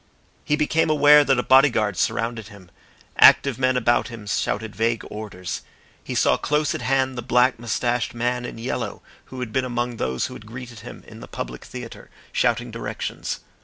He became aware that a bodyguard surrounded him. Active men about him shouted vague orders. He saw close at hand the black moustached man in yellow who had been among those who had greeted him in the public theatre, shouting directions.